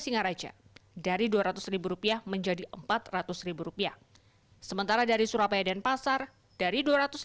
singaraja dari dua ratus rupiah menjadi empat ratus rupiah sementara dari surabaya dan pasar dari